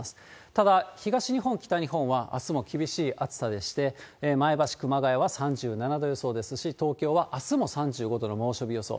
ただ東日本、北日本はあすも厳しい暑さでして、前橋、熊谷は３７度予想ですし、東京はあすも３５度の猛暑日予想。